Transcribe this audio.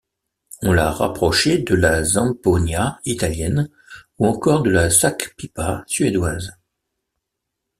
On l'a rapprochée de la zampogna italienne, ou encore de la sackpipa suédoise.